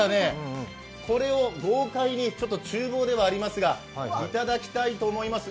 これを豪快に、ちゅう房ではありますがいただきたいと思います。